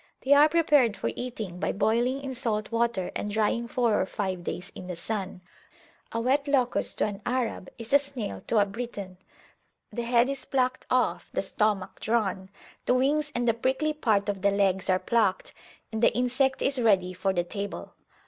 They are prepared for eating by boiling in salt water and drying four or five days in the sun: a wet locust to an Arab is as a snail to a Briton. The head is plucked off, the stomach drawn, the wings and the prickly part of the legs are plucked, and the insect is ready for the table.